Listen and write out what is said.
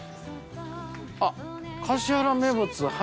あっ。